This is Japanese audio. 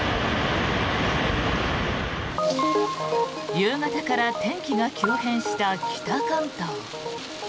夕方から天気が急変した北関東。